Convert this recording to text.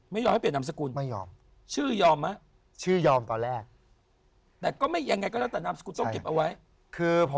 ไม่ยอมให้เปลี่ยนนามสกุล